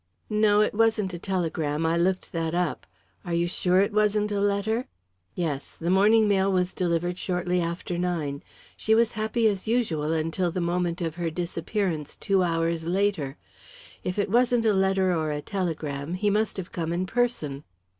"No, it wasn't a telegram I looked that up. Are you sure it wasn't a letter?" "Yes. The morning mail was delivered shortly after nine. She was happy as usual until the moment of her disappearance, two hours later. If it wasn't a letter or a telegram, he must have come in person."